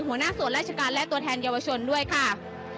หัวหน้าส่วนราชการและตัวแทนเยาวชนด้วยค่ะ